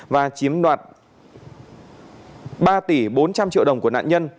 và chiếm đoạt ba tỷ bốn trăm linh triệu đồng của nạn nhân